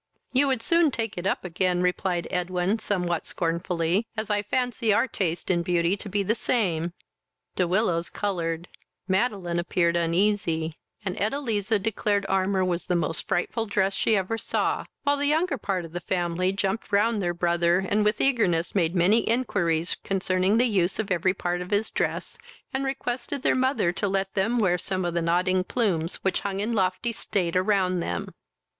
"You would soon take it up again, (replied Edwin, somewhat scornfully,) as I fancy our taste in beauty to be the same." De Willows coloured, Madeline appeared uneasy, and Edeliza declared armour was the most frightful dress she ever saw, while the younger part of the family jumped round their brother, and with eagerness made many inquiries concerning the use of every part of his dress, and requested their mother to let them wear some of the nodding plumes which hung in lofty state around them.